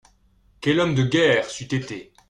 Quel homme de guerre c'eût été !